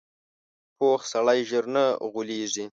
پوخ سړی ژر نه غولېږي